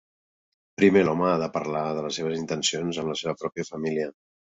Primer l'home ha de parlar de les seves intencions amb la seva pròpia família.